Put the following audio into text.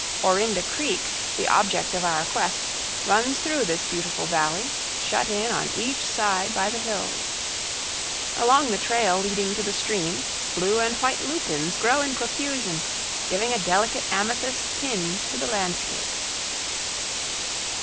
Orinda Creek, the object of our quest, runs through this beautiful valley, shut in on each side by the hills. Along the trail leading to the stream blue and white lupines grow in profusion, giving a delicate amethyst tinge to the landscape.